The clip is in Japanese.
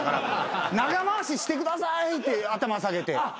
長回ししてくださいって頭下げて。